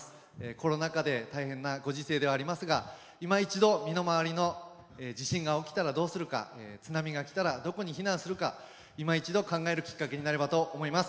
コロナ禍で大変なご時勢ではありますがいま一度、身の回りの地震が起きたらどうするか、津波がきたらどこに避難するからいま一度、考えるきっかけになればと思います。